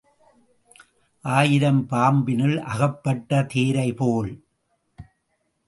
ஆயிரம் பாம்பினுள் அகப்பட்ட தேரைபோல.